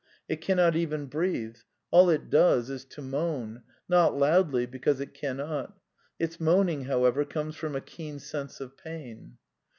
It cannot even breathe; all it does is to moan — not loudly, because it cannot : its moaning, however, comes from a keen sense of pain."